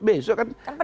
besok kan secepat